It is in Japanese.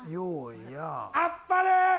あっぱれ。